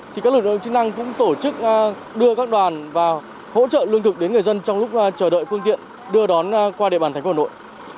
thì các lực lượng chức năng cũng tổ chức đưa các đoàn vào hỗ trợ lương thực đến người dân trong lúc chờ đợi phương tiện đưa đón qua địa bàn thành phố hà nội